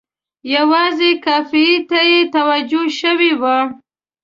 یوازې قافیې ته یې توجه شوې وي.